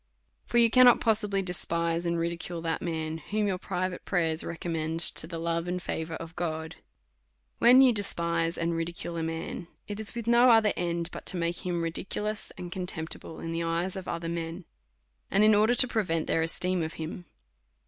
For you can not possibly despise and ridicule that man whom your private prayers recommend to the love and favour of God. When you despise and ridicule a man^ it is with no other end but to make him ridiculous and contempti ble in the eyes of other men_, and in order to prevent their esteem of him.